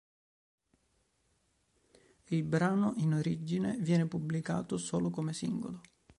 Il brano, in origine, viene pubblicato solo come singolo.